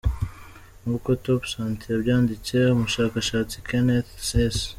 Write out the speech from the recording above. Nk’uko topsanté yabyanditse, umushakashatsi Kenneth S.